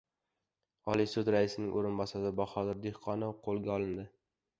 Oliy sud raisining o‘rinbosari Bahodir Dehqonov qo‘lga olindi